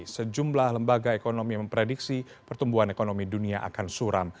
sejumlah lembaga ekonomi memprediksi pertumbuhan ekonomi dunia akan suram